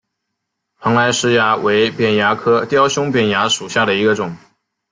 蓬莱虱蚜为扁蚜科雕胸扁蚜属下的一个种。